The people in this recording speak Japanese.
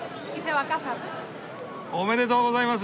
おめでとうございます！